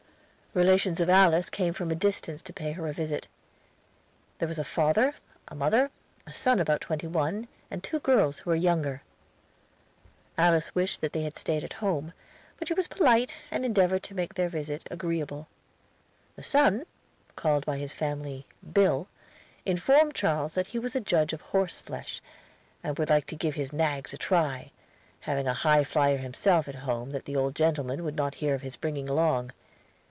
Relations of Alice came from a distance to pay her a visit. There was a father, a mother, a son about twenty one, and two girls who were younger. Alice wished that they had stayed at home; but she was polite and endeavored to make their visit agreeable. The son, called by his family "Bill," informed Charles that he was a judge of horseflesh, and would like to give his nags a try, having a high flyer himself at home that the old gentleman would not hear of his bringing along.